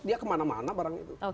dia kemana mana barang itu